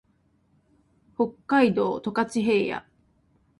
北海道十勝平野